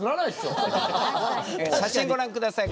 写真ご覧ください。